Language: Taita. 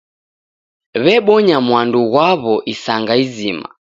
W'ebonya mwandu ghwa'wo isanga izima.